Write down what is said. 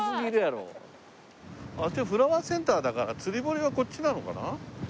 フラワーセンターだから釣り堀はこっちなのかな？